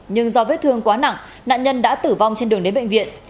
nhưng do vết thương quá nặng nạn nhân đã tử vong trên đường đến bệnh viện